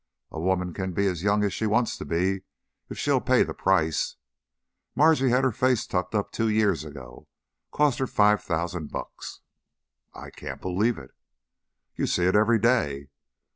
"A woman can be as young as she wants to be if she'll pay the price. Margie had her face tucked up two years ago. Cost her five thousand bucks." "I can't believe it." "You see it every day.